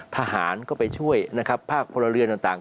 ทหารก็ไปช่วยนะครับภาคพลเรือนต่าง